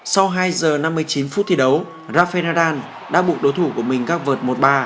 sau hai giờ năm mươi chín phút thi đấu rafael nadal đã bụng đối thủ của mình các vật một ba